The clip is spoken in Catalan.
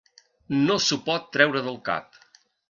No s'ho pot treure del cap.